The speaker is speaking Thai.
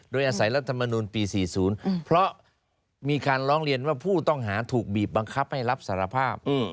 โดยอาศัยรัฐมนุนปี๔๐เพราะมีการร้องเรียนว่าผู้ต้องหาถูกบีบบังคับให้รับสารภาพ